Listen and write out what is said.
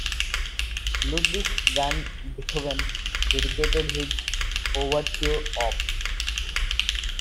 Ludwig van Beethoven dedicated his "Ouverture Op.